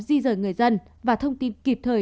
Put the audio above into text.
di rời người dân và thông tin kịp thời